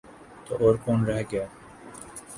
تو اور کون رہ گیا ہے؟